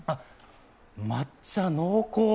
抹茶濃厚。